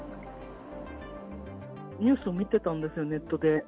ニュースを見てたんですよ、ネットで。